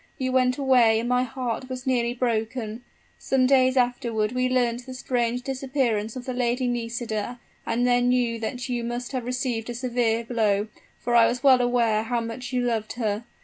You went away and my heart was nearly broken. Some days afterward we learnt the strange disappearance of the Lady Nisida and then knew that you must have received a severe blow, for I was well aware how much you loved her.